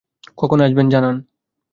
কখন আসবেন জানেন?